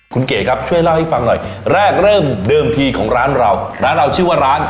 คุณเก๋ครับช่วยเล่าให้ฟังหน่อยแรกเริ่มเดิมทีของร้านเราร้านเราชื่อว่าร้าน